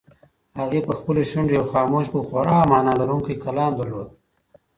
هغې په خپلو شونډو یو خاموش خو خورا مانا لرونکی کلام درلود.